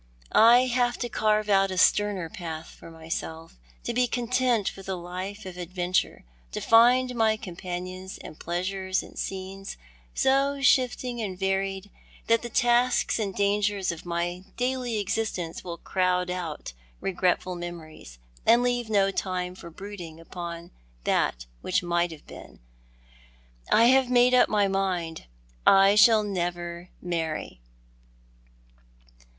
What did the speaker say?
I have to carve out a sterner path for myself — to be content with a life of adventure— to find my companions and pleasures in scenes so shifting and varied that the tasks and dangers of my daily existence will crowd out regretful memories, and leave no time for brooding ujion that which might have been. I liave made up my mind. I shall never marry."